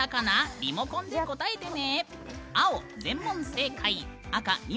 リモコンで答えてね。